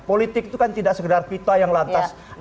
politik itu kan tidak sekedar vita yang lantang